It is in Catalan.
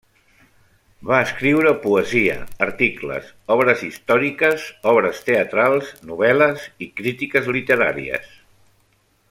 Va escriure poesia, articles, obres històriques, obres teatrals, novel·les i crítiques literàries.